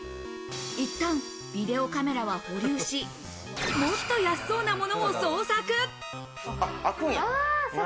いったんビデオカメラは保留し、もっと安そうな物を捜索。